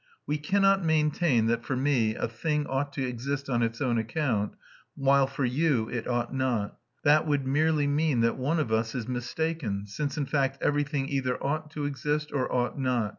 "We cannot maintain that for me a thing ought to exist on its own account, while for you it ought not; that would merely mean that one of us is mistaken, since in fact everything either ought to exist, or ought not."